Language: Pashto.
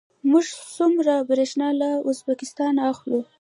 موږ څومره بریښنا له ازبکستان اخلو؟